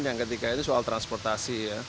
yang ketiga itu soal transportasi ya